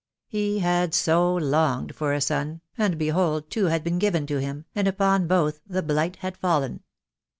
He had so longed for a son, and behold two had been given to him, and upon both the blight had fallen.